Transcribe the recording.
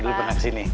dulu pernah kesini